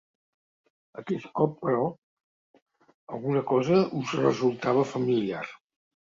Aquest cop, però, alguna cosa us resultava familiar.